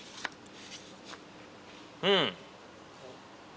うん。